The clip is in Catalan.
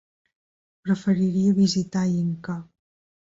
Preferiria visitar Inca.